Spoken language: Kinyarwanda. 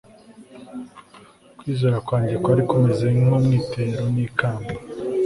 ukwizera kwanjye kwari kumeze nk umwitero n ikamba